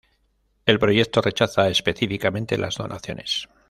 El proyecto rechaza específicamente las donaciones.